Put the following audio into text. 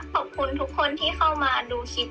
ขอบคุณทุกคนที่เข้ามาดูคลิป